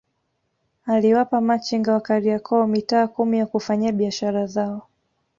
Aliwapa machinga wa Kariakoo mitaa kumi ya kufanyia biashara zao